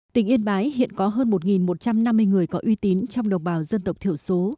tỉnh yên bái hiện có hơn một một trăm năm mươi người có uy tín trong đồng bào dân tộc thiểu số